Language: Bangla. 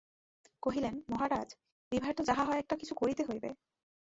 কহিলেন, মহারাজ, বিভার তো যাহা হয় একটা কিছু করিতে হইবে।